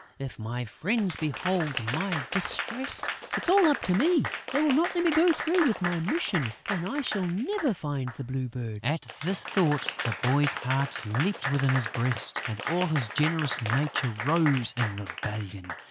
If my friends behold my distress, it is all up with me: they will not let me go through with my mission and I shall never find the Blue Bird!" At this thought, the boy's heart leaped within his breast and all his generous nature rose in rebellion.